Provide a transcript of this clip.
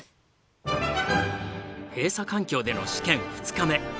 閉鎖環境での試験２日目。